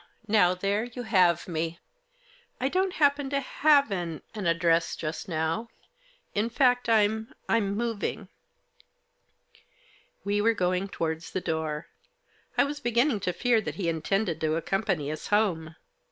Now there you have me. I don't happen to have an — an address just now. In fact, I'm — Fm moving." We were going towards the door. I was beginning to fear that he intended to accompany us home.